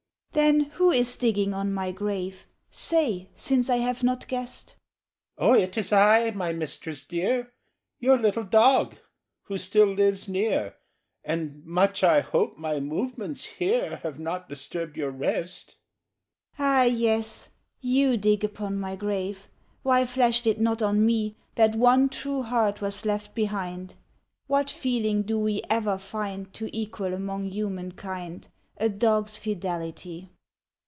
"Then, who is digging on my grave? Say—since I have not guessed!" —"O it is I, my mistress dear, Your little dog, who still lives near, And much I hope my movements here Have not disturbed your rest?" "Ah, yes! You dig upon my grave ... Why flashed it not on me That one true heart was left behind! What feeling do we ever find To equal among human kind A dog's fidelity!"